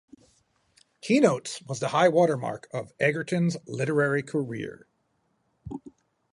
"Keynotes" was the high-water mark of Egerton's literary career.